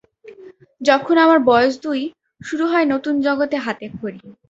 যখন আমার বয়স দুই, শুরু হয় নতুন জগতে হাতেখড়ি।